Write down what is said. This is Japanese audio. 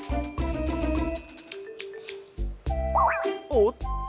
おっと！